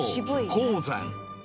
鉱山］